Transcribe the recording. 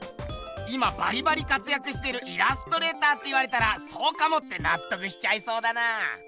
今バリバリかつやくしてるイラストレーターって言われたら「そうかも」ってなっとくしちゃいそうだな。